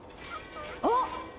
あっ！